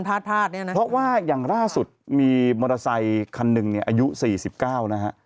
เพราะว่าอย่างล่าสุดมีมอเตอร์ไซคันหนึ่งอายุ๔๙นะครับ